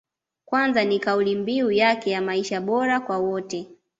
Kwanza ni kaulimbiu yake ya maisha bora kwa wote